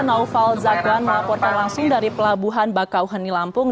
naufal zagwan melaporkan langsung dari pelabuhan bakau heni lampung